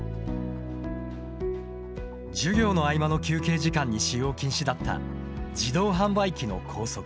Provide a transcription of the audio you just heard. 授業の合間の休憩時間に使用禁止だった自動販売機の校則。